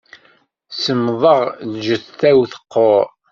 Semmḍeɣ lǧetta-w teqqur.